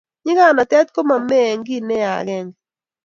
nyikanet komamee eng kei neyaa agenge